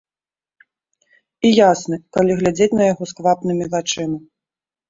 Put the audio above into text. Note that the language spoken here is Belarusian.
І ясны, калі глядзець на яго сквапнымі вачыма.